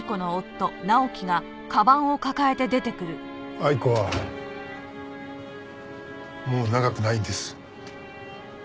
愛子はもう長くないんです。